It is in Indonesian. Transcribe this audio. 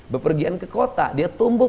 bepergian ke kota dia tumbuh